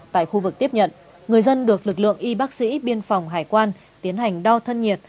tại khu vực tiếp nhận người dân được lực lượng y bác sĩ biên phòng hải quan tiến hành đo thân nhiệt